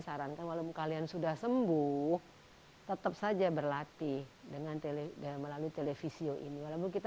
sarankan walaupun kalian sudah sembuh tetap saja berlatih dengan telepon melalui televisi ini kita